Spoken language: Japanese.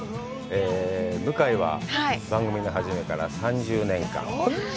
向井は、番組の初めから３０年間。